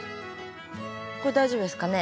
これ大丈夫ですかね？